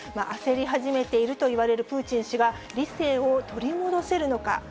焦り始めているといわれているプーチン氏が、理性を取り戻せるのか。